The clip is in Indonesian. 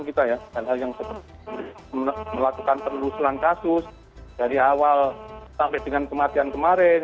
sejak awalnya kita melakukan penelusuran kasus dari awal sampai dengan kematian kemarin